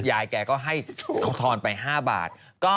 ยายแกก็ให้เขาทอนไป๕บาท